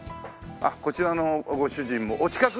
あっこちらのご主人もお近くですか？